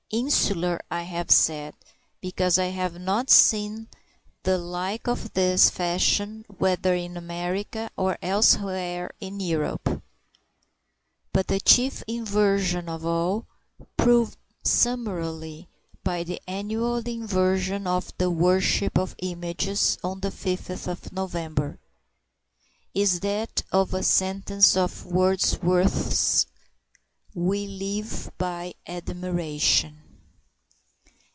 Insular I have said, because I have not seen the like of this fashion whether in America or elsewhere in Europe. But the chief inversion of all, proved summarily by the annual inversion of the worship of images on the fifth of November, is that of a sentence of Wordsworth's "We live by admiration."